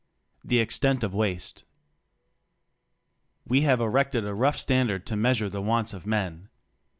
THE EXTENT OF WASTE We have erected a rough standard to measure the wants of men.